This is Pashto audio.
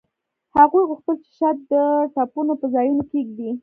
هغوی غوښتل چې شات د ټپونو په ځایونو کیږدي